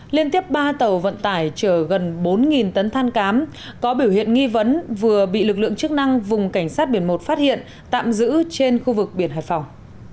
liên tiếp ba tàu vận tải chở gần bốn tấn than cám có biểu hiện nghi vấn vừa bị lực lượng chức năng vùng cảnh sát biển một phát hiện tạm giữ trên khu vực biển hải phòng